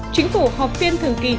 chính phủ họp phiên thường kỳ tháng tám